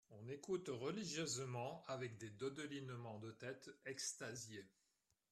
On écoute religieusement avec des dodelinements de tête extasiés.